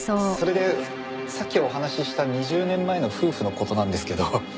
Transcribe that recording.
それでさっきお話しした２０年前の夫婦の事なんですけど。